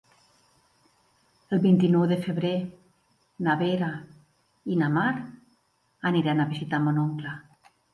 El vint-i-nou de febrer na Vera i na Mar aniran a visitar mon oncle.